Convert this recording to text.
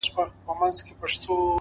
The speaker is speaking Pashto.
زه هم خطا وتمه ـ